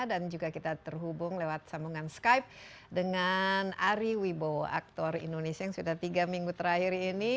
dan juga kita terhubung lewat sambungan skype dengan ari wibo aktor indonesia yang sudah tiga minggu terakhir ini